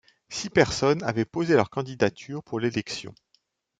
Six personnes avaient posé leur candidature pour l'élection.